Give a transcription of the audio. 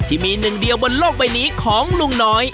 ที่มีหนึ่งเดียวบนโลกใบนี้ของลุงน้อย